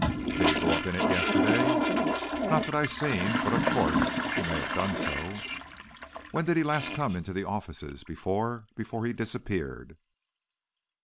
"Did he go up in it yesterday?" "Not that I seen. But, of course, he may have done so." "When did he last come into his offices before before he disappeared?"